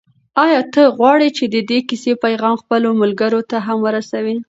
آیا ته غواړې چې د دې کیسې پیغام خپلو ملګرو ته هم ورسوې؟